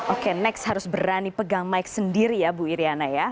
oke next harus berani pegang mic sendiri ya bu iryana ya